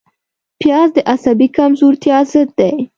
پیاز د عصبي کمزورتیا ضد دی